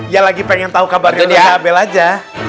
ya lagi pengen tahu kabarnya ustaz abel aja